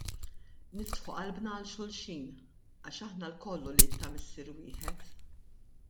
Niftħu qalbna għal xulxin, għax aħna lkoll ulied ta' Missier wieħed.